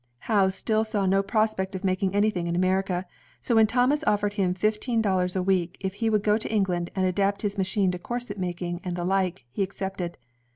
Howe still saw no prospect of making anything in Amer ica, so when Thomas offered him fifteen dollars a week, if he would go to England and adapt his machine to corset making and the like, he accepted.